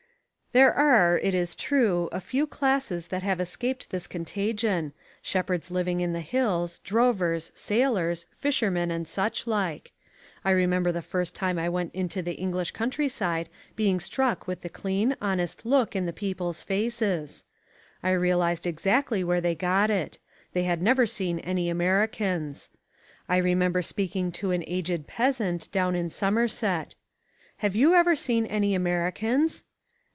There are, it is true, a few classes that have escaped this contagion, shepherds living in the hills, drovers, sailors, fishermen and such like. I remember the first time I went into the English country side being struck with the clean, honest look in the people's faces. I realised exactly where they got it: they had never seen any Americans. I remember speaking to an aged peasant down in Somerset. "Have you ever seen any Americans?"